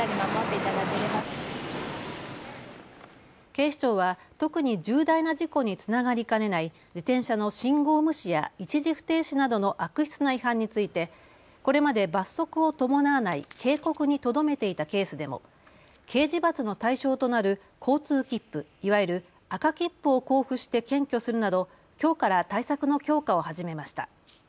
警視庁は特に重大な事故につながりかねない自転車の信号無視や一時不停止などの悪質な違反についてこれまで罰則を伴わない警告にとどめていたケースでも刑事罰の対象となる交通切符、いわゆる赤切符を交付して検挙するなど、きょうから対策の強化を始めました。